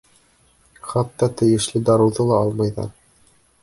Хатта тейешле дарыуҙы ла алмайҙар.